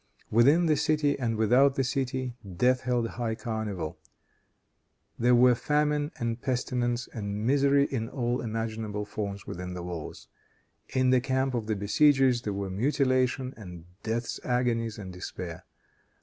Within the city and without the city, death held high carnival. There were famine and pestilence and misery in all imaginable forms within the walls. In the camp of the besiegers, there were mutilation, and death's agonies and despair.